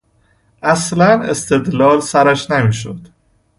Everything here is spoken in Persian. اصلا استدلال سرش نمیشود.